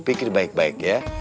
pikir baik baik ya